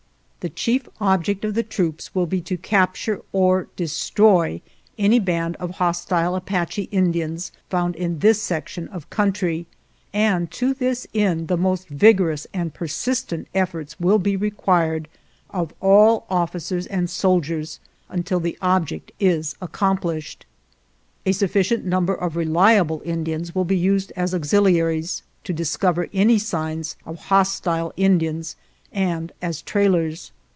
"The chief object of the troops will be to capture or destroy any band of hostile Apache Indians found in this section of country, and to this end the most vigorous and persistent efforts will be required of all officers and soldiers until the object is accomplished." ...'.•" A sufficient number of reliable Indians will be used as auxiliaries to discover any signs of hostile Indians, and as trailers."